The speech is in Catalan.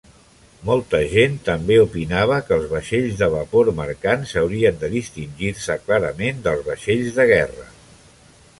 Molta gent també opinava que els vaixells de vapor mercants haurien de distingir-se clarament dels vaixells de guerra.